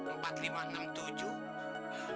empat lima enam tujuh